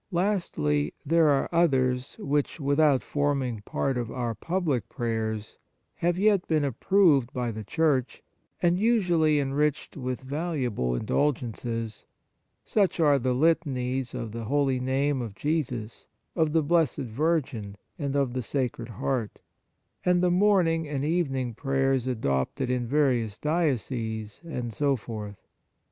Lastly, there are others which, without forming part of our public prayers, have yet been approved by the Church, and usually enriched with valuable indulgences ; such are the litanies of the Holy Name of 35 On the Exercises of Piety Jesus, of the Blessed Virgin and of the Sacred Heart, and the morning and evening prayers adopted in various dioceses, and so forth.